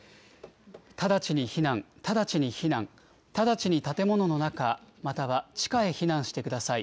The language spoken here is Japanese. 直ちに避難、直ちに避難、直ちに建物の中、または地下へ避難してください。